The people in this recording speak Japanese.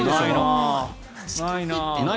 ないなあ。